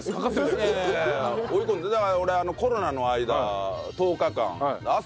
だから俺コロナの間１０日間ハハハハ！